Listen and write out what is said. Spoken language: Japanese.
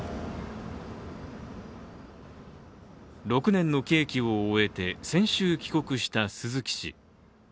６年の刑期を終えて先週帰国した鈴木氏。